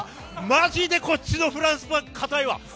まじでこっちのフランスパン、硬いわ。